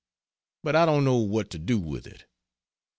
But I don't know what to do with it.